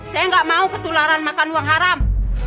saya nggak mau ketularan makan uang haram